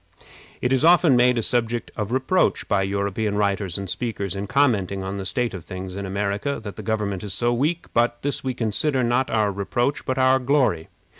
It is often made a subject of reproach by European writers and speakers, in commenting on the state of things in America, that the government is so weak; but this we consider not our reproach, but our glory.